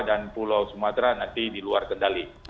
dan pulau sumatera nanti di luar kendali